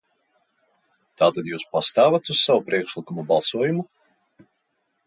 Tātad jūs pastāvat uz sava priekšlikuma balsojumu?